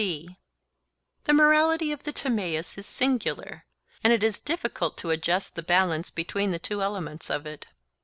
(c) The morality of the Timaeus is singular, and it is difficult to adjust the balance between the two elements of it.